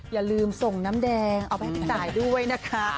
อย่าลืมส่งน้ำแดงเอาไปให้พี่ตายด้วยนะคะ